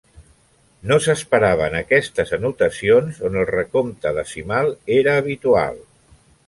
No s'esperaven aquestes anotacions on el recompte decimal era habitual.